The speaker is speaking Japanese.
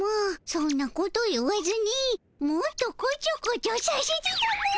そんなこと言わずにもっとこちょこちょさせてたも。